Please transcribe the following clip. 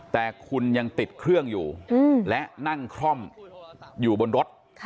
แต่คุณยังติดเครื่องอยู่และนั่งคล่อมอยู่บนรถ